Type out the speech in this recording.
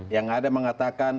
yang ada mengatakan